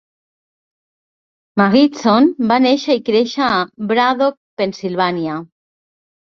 Magidson va néixer i créixer a Braddock, Pennsilvània.